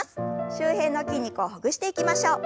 周辺の筋肉をほぐしていきましょう。